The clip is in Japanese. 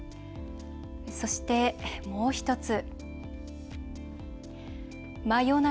そして、もう１つ。